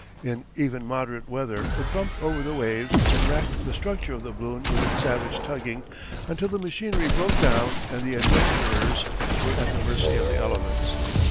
In even moderate weather it bumped over the waves and racked the structure of the balloon with its savage tugging until the machinery broke down and the adventurers were at the mercy of the elements.